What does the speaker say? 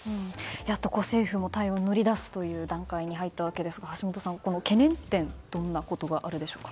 やっと政府も対応に乗り出す段階に入ったわけですが橋下さん、懸念点どんなことがあるでしょうか。